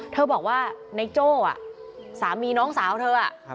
เธอบอกว่าในโจ้สามีน้องสาวเธอ